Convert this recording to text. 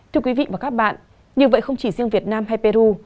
thưa quý vị và các bạn như vậy không chỉ riêng việt nam hay peru